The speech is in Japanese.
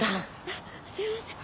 あっすいません。